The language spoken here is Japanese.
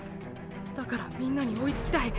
だからみんなに追いつきたい。